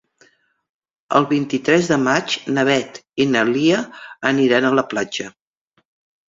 El vint-i-tres de maig na Beth i na Lia aniran a la platja.